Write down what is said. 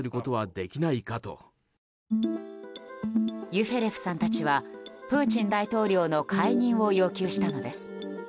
ユフェレフさんたちはプーチン大統領の解任を要求したのです。